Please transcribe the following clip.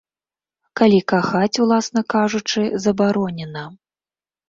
Калі кахаць, уласна кажучы, забаронена.